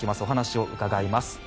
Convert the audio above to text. お話を伺います。